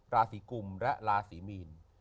ราศีกุมและราศีมีน